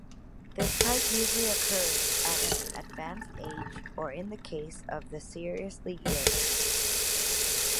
This type usually occurs at an advanced age or in the case of the seriously ill.